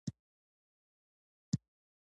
لاسا قی نوی راغلی، لا رندان نوی ګرمیږی